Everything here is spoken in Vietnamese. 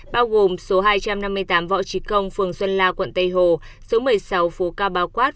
bao gồm số hai trăm năm mươi tám võ trí công phường xuân la quận tây hồ số một mươi sáu phố cao báo quát